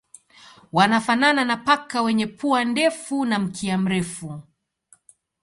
Wanafanana na paka wenye pua ndefu na mkia mrefu.